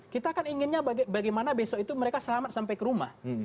kita kan inginnya bagaimana besok itu mereka selamat sampai ke rumah